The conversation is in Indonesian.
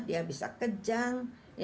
dia bisa kejang